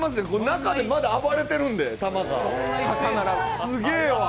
中で球がまだ暴れてるんで。